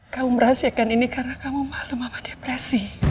kamu merahsiakan ini karena kamu malu mama depresi